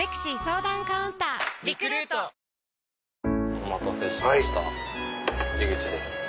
お待たせしましたエグチです。